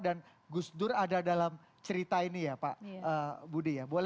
dan gus dur ada dalam cerita ini ya pak budi ya